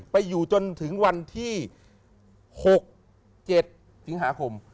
ไปอยู่จนถึงวันที่๖๗สิงหาคม